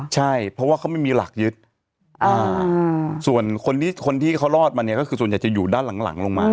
ใช่เพราะว่าเขาไม่มีหลักยึดส่วนคนที่เขารอดมาเนี่ยก็คือส่วนใหญ่จะอยู่ด้านหลังลงมา